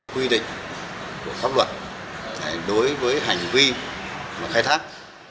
quy định của pháp luật đối với hành vi mà khai thác